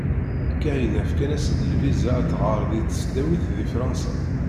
Kahina fkan-as-d lviza ad tɣer deg tesdawit di Fransa.